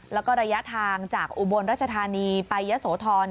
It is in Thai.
แล้วก็ระยะทางจากอุบลรัชธานีไปยะโสธร